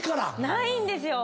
ないんですよ。